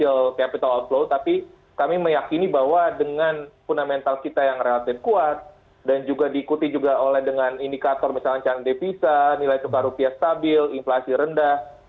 potensi capital outflow tapi kami meyakini bahwa dengan fundamental kita yang relatif kuat dan juga diikuti juga oleh dengan indikator misalnya can depisa nilai tukar rupiah stabil inflasi rendah